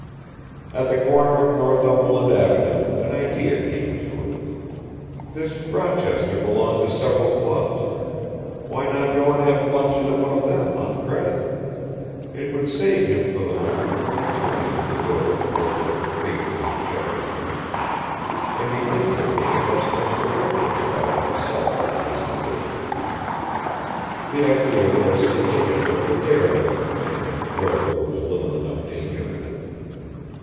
At the corner of Northumberland Avenue an idea came to him. This Rochester belonged to several clubs, why not go and have luncheon at one of them on credit? It would save him for the moment from returning to the door towards which Fate was shepherding him, and he might be able to pick up some extra wrinkles about himself and his position. The idea was indicative of the daring of the man, though there was little enough danger in it.